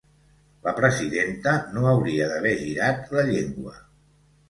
La presidenta no hauria d’haver girat la llengua.